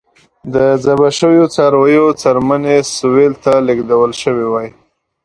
د ذبح شویو څارویو څرمنې سویل ته لېږدول شوې وای.